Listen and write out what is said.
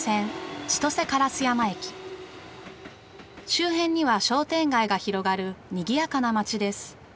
周辺には商店街が広がるにぎやかな街です。